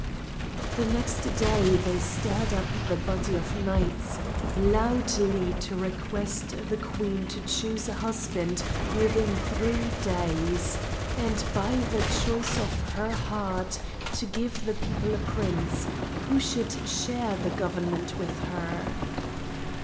The next day they stirred up the body of knights, loudly to request the queen to choose a husband within three days, and by the choice of her heart to give the people a prince, who should share the government with her.